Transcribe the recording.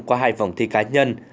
qua hai vòng thi cá nhân